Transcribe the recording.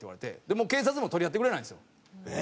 でもう警察も取り合ってくれないんですよ。